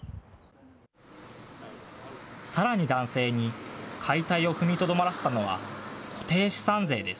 さらに男性に解体を踏みとどまらせたのは固定資産税です。